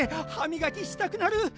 はみがきしたくなる！